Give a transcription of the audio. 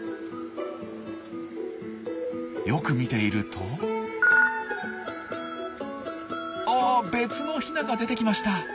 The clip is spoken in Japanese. よく見ているとあ別のヒナが出てきました。